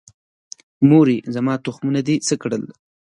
مورې، زما تخمونه دې څه کړل؟